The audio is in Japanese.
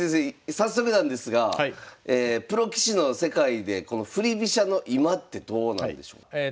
早速なんですがプロ棋士の世界でこの振り飛車の今ってどうなんでしょう？